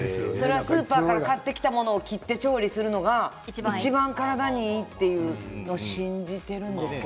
スーパーで買ってきたものを切って調理するのがいちばん体にいいというのを信じています。